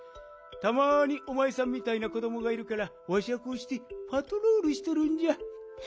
たまにおまえさんみたいな子どもがいるからわしはこうしてパトロールしとるんじゃ。